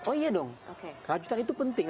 oh iya dong kerajutan itu penting